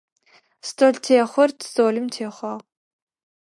Столтехъор столым техъуагъ.